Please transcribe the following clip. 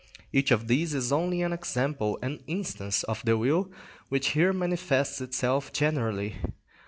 Each of these is only an example, an instance, of the will which here manifests itself generally.